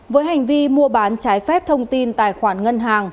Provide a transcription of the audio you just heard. với hành vi mua bán trái phép thông tin tài khoản ngân hàng